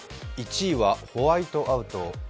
１位はホワイトアウト。